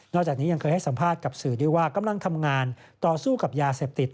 จากนี้ยังเคยให้สัมภาษณ์กับสื่อด้วยว่ากำลังทำงานต่อสู้กับยาเสพติด